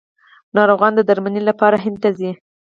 ناروغان د درملنې لپاره هند ته ځي.